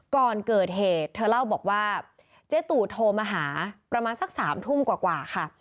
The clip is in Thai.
ก่อนเกิดเหตุเธอเล่าบอกว่าเจ๊ตู่โทรมาหาประมาณสัก๓ทุ่มกว่าค่ะ